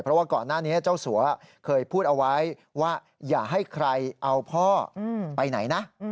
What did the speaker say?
เพราะว่าก่อนหน้านี้เจ้าสัวเคยพูดเอาไว้ว่าอย่าให้ใครเอาพ่อไปไหนนะ